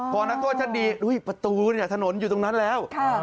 พอนักโทษชั้นดีประตูเนี่ยถนนอยู่ตรงนั้นแล้ว